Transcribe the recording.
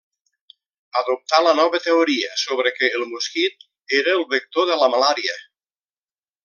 Adoptà la nova teoria sobre que el mosquit era el vector de la malària.